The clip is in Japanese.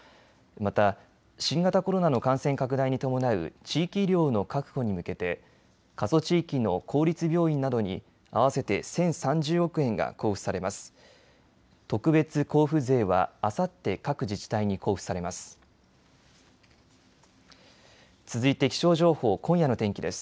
また新型コロナの感染拡大に伴う地域医療の確保に向けて過疎地域の公立病院などに合わせて１０３０億円が交付されます。